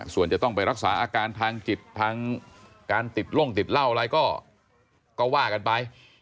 ส่วนจะต้องไปรักษาอาการทางจิตทางการติดล่งติดเหล้าอะไรก็ว่ากันไป